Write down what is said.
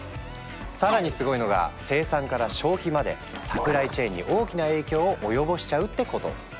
更にすごいのが生産から消費までサプライチェーンに大きな影響を及ぼしちゃうってこと。